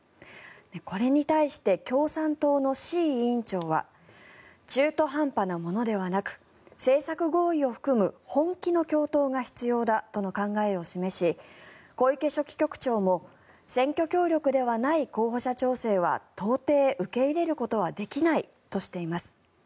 これに対して共産党の志位委員長は中途半端なものではなく政策合意を含む本気の共闘が必要だとの考えを示し小池書記局長も選挙協力ではない候補者調整は到底受け入れることはできないとしています。